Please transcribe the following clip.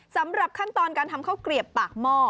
สำหรับขั้นตอนการทำข้าวเกลียบปากหม้อ